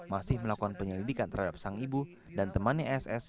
masih melakukan penyelidikan terhadap sang ibu dan temannya ss